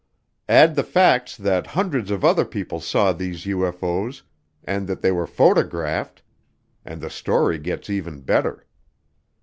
Add the facts that hundreds of other people saw these UFO's and that they were photographed, and the story gets even better.